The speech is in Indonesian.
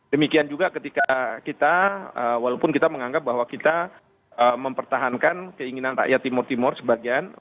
demikian juga ketika kita walaupun kita menganggap bahwa kita mempertahankan keinginan rakyat timur timur sebagian